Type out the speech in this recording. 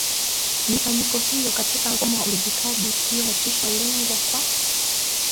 mifanyiko hiyo katika mfumo wa uridhikaji hiyo motisha hulengwa kwa